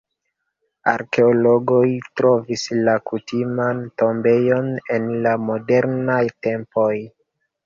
Arkeologoj trovis la kutiman tombejon en la modernaj tempoj.